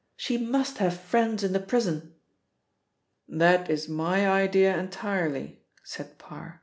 She must have friends in the prison!" "That is my idea entirely," said Parr.